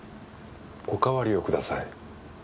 おかわりをください。